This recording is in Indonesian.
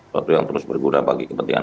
suatu yang terus berguna bagi kepentingan